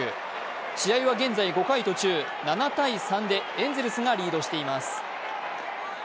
試合は現在５回途中、７−３でエンゼルスがリードしています。